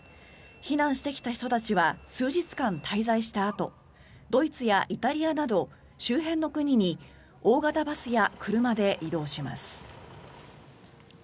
避難してきた人たちは数日間滞在したあとドイツやイタリアなど周辺の国に大型バスや車で移動します。